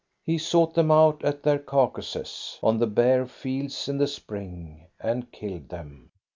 He sought them out at their caucuses on the bare fields in the spring and killed them.